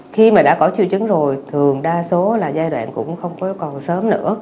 khi mà đã có triệu chứng rồi thường đa số là giai đoạn cũng không còn sớm nữa